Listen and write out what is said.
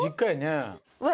うわ。